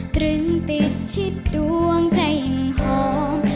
ตรึงปิดชิดดวงใจอิ่งหอม